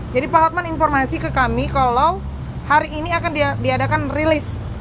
jadi pak otman informasi ke kami kalau hari ini akan diadakan release